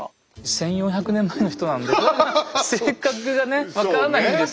１，４００年前の人なんで性格がね分からないんですけど。